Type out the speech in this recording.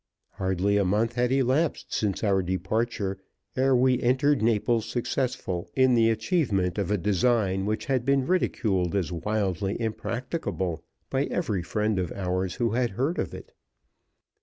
Hardly a month had elapsed since our departure ere we entered Naples successful in the achievement of a design which had been ridiculed as wildly impracticable by every friend of ours who had heard of it.